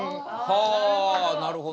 あなるほど。